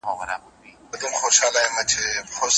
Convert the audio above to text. خړي خاوري د وطن به ورته دم د مسیحا سي.